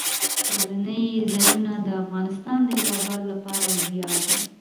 سیلانی ځایونه د افغانستان د هیوادوالو لپاره ویاړ دی.